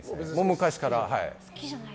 昔から。